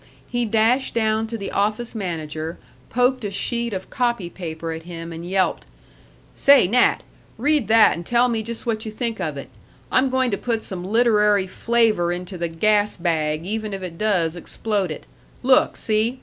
He dashed down to the office manager, poked a sheet of copy paper at him, and yelped: "Say, Nat. Read that and tell me just what you think of it. I'm going to put some literary flavor into the Gas bag even if it does explode it. Look see.